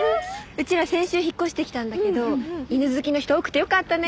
うちら先週引っ越してきたんだけど犬好きの人多くてよかったね。